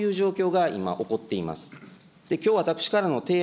こういう状況が今、起こっています。